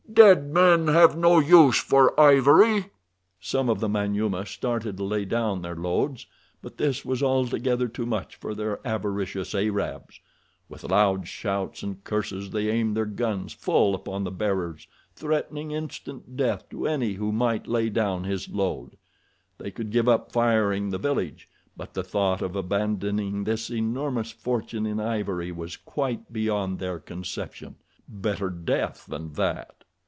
Dead men have no use for ivory!" Some of the Manyuema started to lay down their loads, but this was altogether too much for the avaricious Arabs. With loud shouts and curses they aimed their guns full upon the bearers, threatening instant death to any who might lay down his load. They could give up firing the village, but the thought of abandoning this enormous fortune in ivory was quite beyond their conception—better death than that.